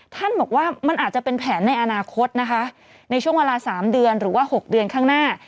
ท่านบอกว่ามันอาจจะเป็นแผนในอนาคตนะคะในช่วงเวลา๓เดือนหรือว่า๖เดือนข้างหน้า